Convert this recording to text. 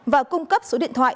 và cung cấp số điện thoại